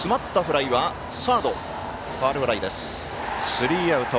スリーアウト。